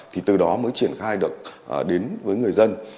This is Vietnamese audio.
thì từ đó mới triển khai được đến với người dân